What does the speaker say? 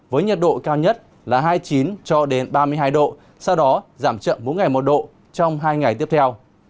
với nhiệt độ cao nhất là hai mươi chín cho đến ba mươi hai độ sau đó giảm chậm mỗi ngày một độ trong hai ngày tiếp theo